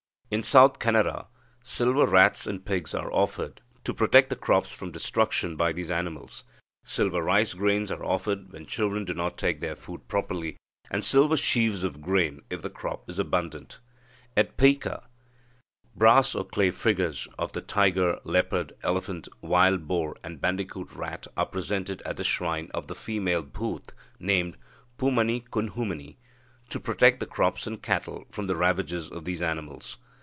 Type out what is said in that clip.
In South Canara, silver rats and pigs are offered to protect the crops from destruction by these animals. Silver rice grains are offered when children do not take their food properly, and silver sheaves of grain if the crop is abundant. At Pyka, brass or clay figures of the tiger, leopard, elephant, wild boar, and bandicoot rat, are presented at the shrine of a female bhutha named Poomanikunhoomani, to protect the crops and cattle from the ravages of these animals.